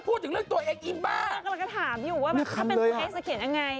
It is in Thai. ถามอยู่ว่าถ้าเป็นไซส์เขียนยังไง